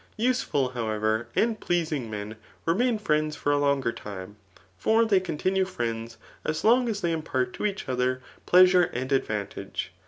Use ful, however, and pleasing men, remain friends for a longer time ; for they continue friends as long as they impart to each other pleasure and advantage.